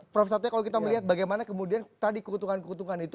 prof satya kalau kita melihat bagaimana kemudian tadi keuntungan keuntungan itu